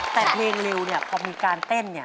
แต่เพลงเร็วพอมีการเต้น